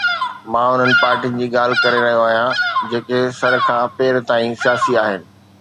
مان انهن پارٽين جي ڳالهه ڪري رهيو آهيان جيڪي سر کان پير تائين سياسي آهن.